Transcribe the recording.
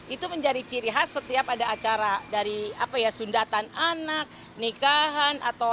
itu menjadi ciri khas setiap ada acara dari apa ya sundatan anak nikahan